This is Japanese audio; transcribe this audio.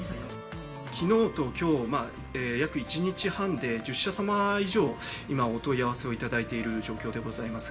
きのうときょう、約１日半で、１０社様以上、今、お問い合わせをいただいている状況でございます。